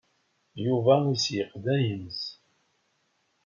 Yuba iseyyeq-d agens.